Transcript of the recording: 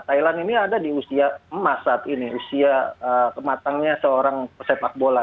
thailand ini ada di usia emas saat ini usia kematangnya seorang sepak bola